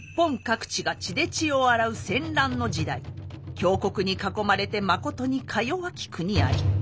強国に囲まれてまことにかよわき国あり。